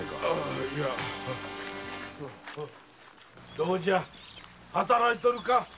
どうじゃ働いとるか？